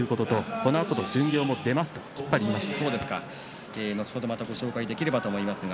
このあとの巡業も出ますときっぱり言っていました。